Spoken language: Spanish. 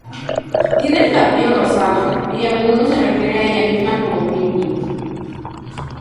Tiene el cabello rosado y a menudo se refiere a ella misma como "Pinky".